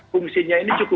fungsinya ini cukup